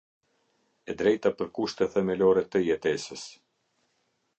E drejta për kushte themelore të jetesës.